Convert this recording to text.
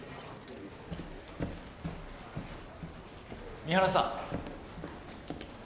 三原さん。